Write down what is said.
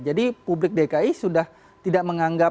jadi publik dki sudah tidak menganggap